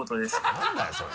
何だよそれ。